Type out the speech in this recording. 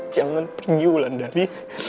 jangan pergi wulan dari